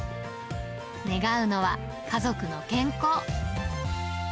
願うのは家族の健康。